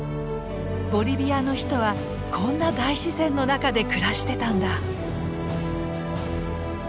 ボリビアの人はこんな大自然の中で暮らしてたんだ。